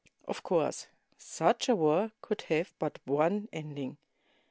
Of course, such a war could have but one ending.